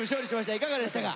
いかがでしたか？